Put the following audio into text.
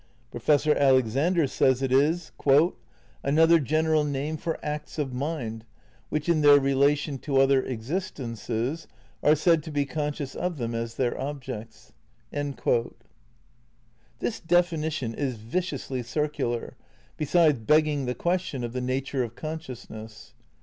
Professor Alexander says it is ... "another general name for acts of mind, wMeh in their rela^ tion to other existences, are said to be conscious of them as their objects." ' This definition is viciously circular, besides begging the question of the nature of consciousness.